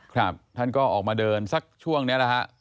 ครับท่านก็ออกมาเดินสักช่วงนี้แหละฮะ